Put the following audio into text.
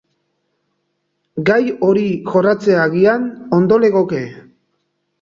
Gai hori jorratzea agian ondo legoke.